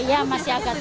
iya masih agak tinggi